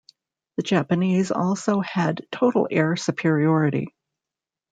The Japanese also had total air superiority.